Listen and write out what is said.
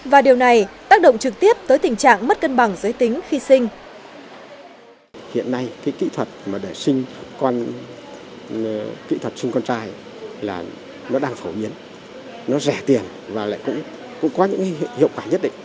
và điều này tác động trực tiếp tới tình trạng mất cân bằng giới tính khi sinh